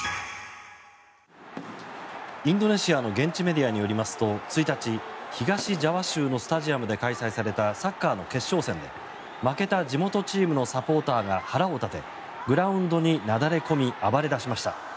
インドネシアの現地メディアによりますと１日、東ジャワ州のスタジアムで開催されたサッカーの決勝戦で負けた地元チームのサポーターが腹を立てグラウンドになだれ込み暴れ出しました。